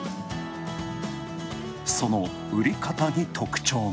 その売り方に特徴が。